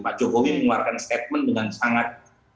pak jokowi mengeluarkan statement dengan sangat